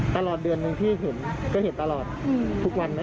ตลอดเดือนหนึ่งพี่เห็นตลอดทุกวันมั้ย